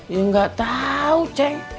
ya tidak tahu ceng